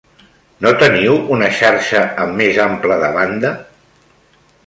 No teniu una xarxa amb més ample de banda?